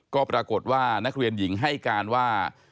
ก็ปรากฏว่านักเรียนหญิงให้การว่า